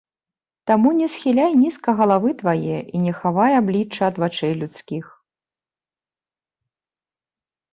Таму не схіляй нізка галавы твае, і не хавай аблічча ад вачэй людскіх.